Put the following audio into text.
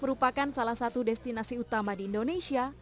merupakan salah satu destinasi utama di indonesia